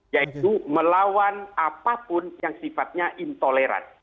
yaitu melawan apapun yang sifatnya intoleran